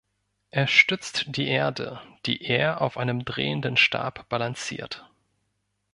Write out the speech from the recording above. Er stützt die Erde, die er auf einem drehenden Stab balanciert.